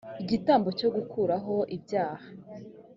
igitambo cyo gukuraho ibyaha